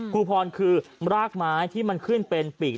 ครูพรคือรากไม้ที่มันขึ้นเป็นปีก